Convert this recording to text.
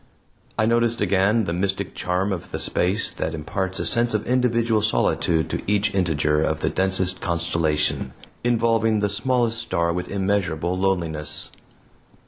I noticed again the mystic charm of space that imparts a sense of individual solitude to each integer of the densest constellation, involving the smallest star with immeasurable loneliness.